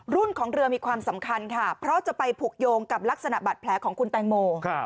ของเรือมีความสำคัญค่ะเพราะจะไปผูกโยงกับลักษณะบาดแผลของคุณแตงโม